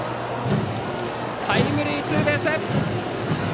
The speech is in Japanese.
タイムリーツーベース！